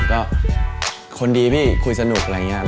คนดีพี่คุยสนุกอะไรรึงี้